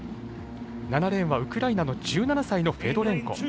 ７レーンはウクライナの１７歳のフェドレンコ。